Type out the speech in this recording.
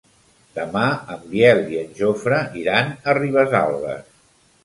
Demà en Biel i en Jofre iran a Ribesalbes.